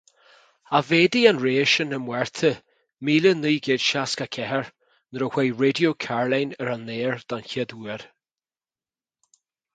Ach mhéadaigh an rogha sin i Márta míle naoi gcéad seasca a ceathair nuair a chuaigh Raidió Caroline ar an aer den chéad uair.